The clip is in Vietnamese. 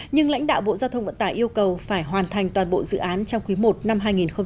nhưng lãnh đạo bộ giao thông vận tải yêu cầu phải hoàn thành toàn bộ dự án trong quý i năm hai nghìn hai mươi